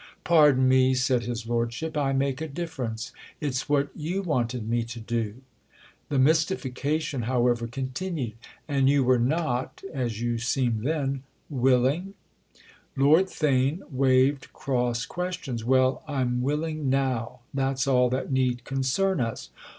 "Pardon me," said his lordship—"I make a difference. It's what you wanted me to do." The mystification, however, continued. "And you were not—as you seemed then—willing?" Lord Theign waived cross questions. "Well, I'm willing now—that's all that need concern us.